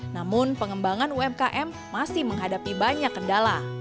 namun pengembangan umkm masih menghadapi banyak kendala